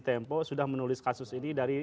tempo sudah menulis kasus ini dari